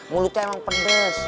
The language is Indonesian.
mulutnya emang pedes